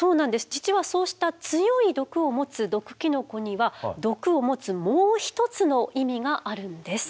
実はそうした強い毒を持つ毒キノコには毒を持つもう一つの意味があるんです。